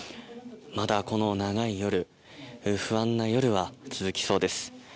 まだこの長い夜不安な夜は続きそうです。